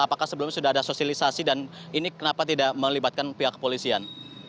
apakah sebelumnya sudah ada sosialisasi dan ini kenapa tidak melibatkan pihak kepolisian